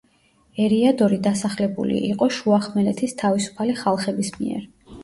ერიადორი დასახლებული იყო შუახმელეთის თავისუფალი ხალხების მიერ.